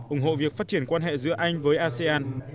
ủng hộ việc phát triển quan hệ giữa anh với asean